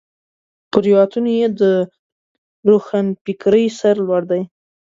پر روایتونو یې د روښنفکرۍ سر لوړ دی.